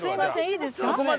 いいですか。